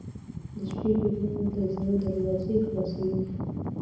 • د شپې فکرونه د زړه دروازې خلاصوي.